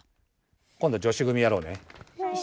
こんど女子組やろうね。